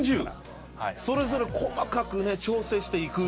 それぞれ細かく調整していく。